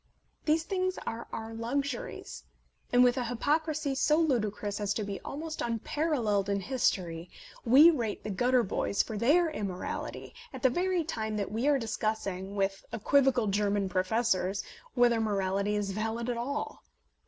These things are our luxuries. And with a hypocrisy so ludi crous as to be almost unparalleled in history, we rate the gutter boys for their immorality at the very time that we are discussing (with equivocal German Professors) whether mo rality is valid at all.